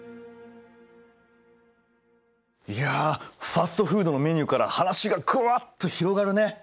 いやファストフードのメニューから話がグワッと広がるね。